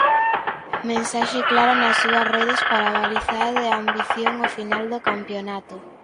Mensaxe clara nas súas redes para balizar de ambición o final do campionato.